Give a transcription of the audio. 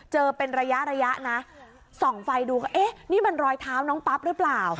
เจอเป็นระยะระยะนะส่องไฟดูก็เอ๊ะนี่มันรอยเท้าน้องปั๊บหรือเปล่า